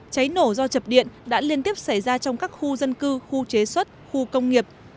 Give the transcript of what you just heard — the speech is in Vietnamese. cháy nổ do chập điện đã liên tiếp xảy ra trong các khu dân cư khu chế xuất khu công nghiệp